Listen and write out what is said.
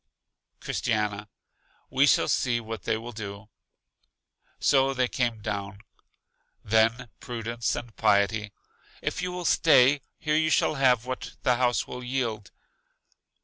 Christiana: We shall see what they will do. So they came down. Then Prudence and Piety: If you will stay, here you shall have what the house will yield.